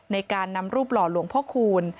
ในการนำรูปหล่อหลวงพ่อคูณ